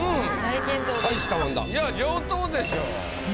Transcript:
いや上等でしょ。